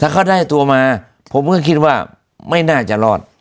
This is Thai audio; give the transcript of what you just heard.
เขาได้ตัวมาผมก็คิดว่าไม่น่าจะรอด